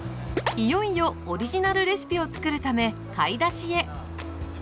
いよいよオリジナルレシピをつくるため買い出しへ。